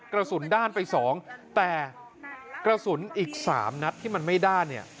กระสุนด้านไปสองแต่กระสุนอีก๓นัดที่มันไม่ด้านเนี่ย